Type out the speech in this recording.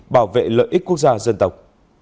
bảo vệ lợi ích quốc gia dân tộc